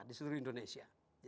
di seluruh indonesia